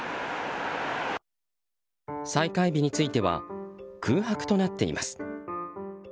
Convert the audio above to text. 再開日については空白となっています。